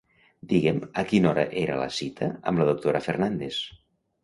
Digue'm a quina hora era la cita amb la doctora Fernández.